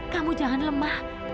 kamu jangan lemah